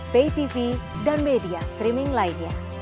baytv dan media streaming lainnya